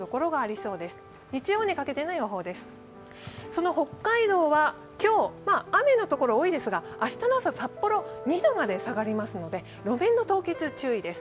その北海道は今日、雨のところ多いですが、明日の朝、札幌は２度まで下がりますので路面の凍結に注意です。